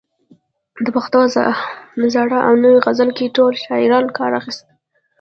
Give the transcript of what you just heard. د پښتو په زاړه او نوي غزل کې ټولو شاعرانو کار اخیستی.